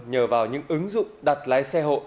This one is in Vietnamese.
nhờ vào những ứng dụng đặt lái xe hộ